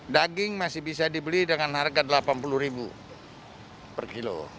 daging masih bisa dibeli dengan harga rp delapan puluh